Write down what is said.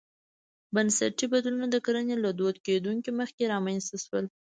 بنسټي بدلونونه د کرنې له دود کېدو مخکې رامنځته شول.